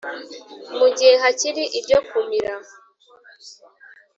mu gihe hakiri iryo kumira